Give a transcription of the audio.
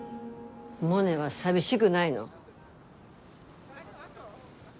モネは寂しぐないの？